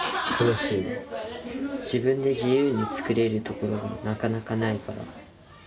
自分で自由に作れるところがなかなかないから。